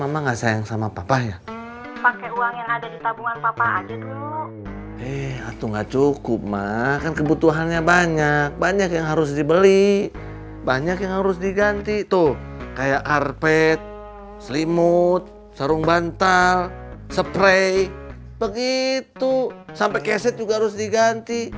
begitu sampai keset juga harus diganti